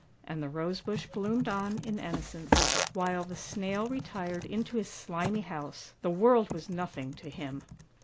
And the Rose bush bloomed on in innocence, while the Snail retired into his slimy house — the world was nothing to him!